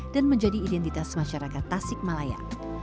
dan menjadi identitas masyarakat tasik malaya